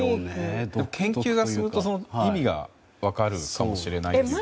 研究すると意味が分かるかもしれないですよね。